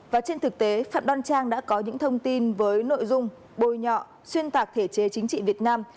và trên thực tế phạm đoan trang đã có những thông tin với nội dung bôi nhọ xuyên tạc thể chế chính trị việt nam